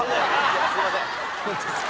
いやすいません。